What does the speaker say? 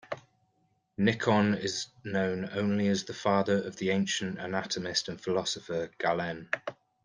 Nicon is known only as the father of the ancient anatomist and philosopher, Galen.